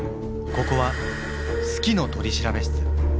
ここは「好きの取調室」。